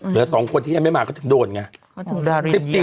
เหลือ๒คนที่ยังไม่มาก็ถึงโดนไง